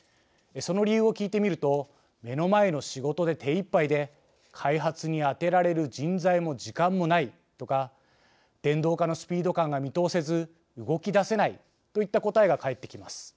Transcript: その理由を聞いてみると「目の前の仕事で手いっぱいで開発にあてられる人材も時間もない」とか「電動化のスピード感が見通せず動きだせない」といった答えが返ってきます。